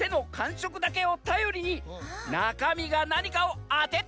しょくだけをたよりになかみがなにかをあててもらうざんす！